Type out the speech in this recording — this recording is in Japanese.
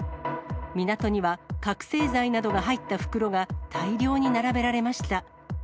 港には覚醒剤などが入った袋が大量に並べられました。